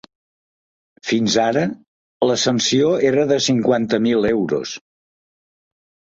Fins ara, la sanció era de cinquanta mil euros.